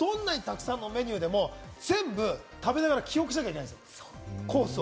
どんなにたくさんのメニューでも全部食べながら記憶しなきゃいけない、コースを。